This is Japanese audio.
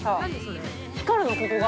光るの、ここが。